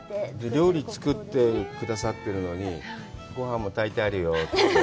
料理作ってくださってるのに、ごはんも炊いてあるよって。